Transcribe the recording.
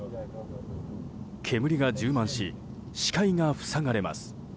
煙が充満し、視界が塞がれます。